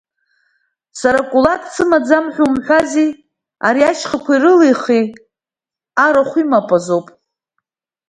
Сара акәылак дсымаӡым ҳа умҳәази, ари ашьхақәа ирылихи арахә имоп азоми?